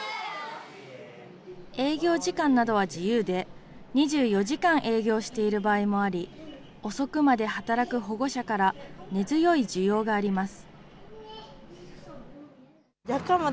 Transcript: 営業時間などは自由で、２４時間営業している場合もあり、遅くまで働く保護者から根強い需要があります。